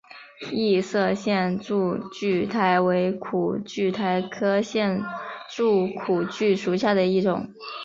异色线柱苣苔为苦苣苔科线柱苣苔属下的一个种。